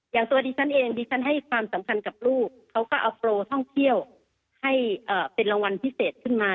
ตัวดิฉันเองดิฉันให้ความสำคัญกับลูกเขาก็เอาโปรท่องเที่ยวให้เป็นรางวัลพิเศษขึ้นมา